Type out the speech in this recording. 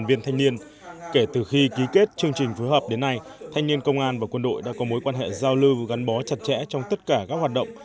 đoàn viên thanh niên kể từ khi ký kết chương trình phối hợp đến nay thanh niên công an và quân đội đã có mối quan hệ giao lưu gắn bó chặt chẽ trong tất cả các hoạt động